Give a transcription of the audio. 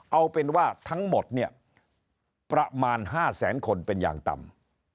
เอาเป็นว่าทั้งหมดเนี่ยประมาณ๕แสนคนเป็นอย่างต่ำ